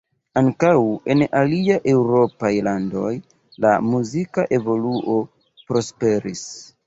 Ankaŭ en aliaj eŭropaj landoj la muzika evoluo prosperis.